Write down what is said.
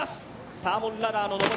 サーモンラダーの登り